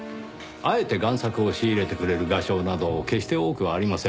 あえて贋作を仕入れてくれる画商など決して多くはありません。